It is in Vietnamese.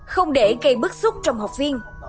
không để gây bức xúc trong học viên